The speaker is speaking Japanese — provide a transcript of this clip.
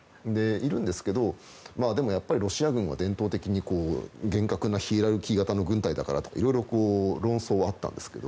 いるんですけど、やっぱりロシア軍は伝統的に厳格なヒエラルキー型の軍隊だからといろいろ論争はあったんですけど